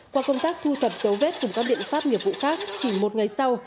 qua công tác thu thập dấu vết cùng các biện pháp nghiệp vụ khác chỉ một ngày sau